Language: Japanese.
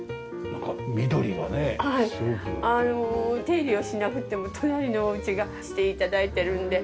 手入れをしなくても隣のお家がして頂いてるんで。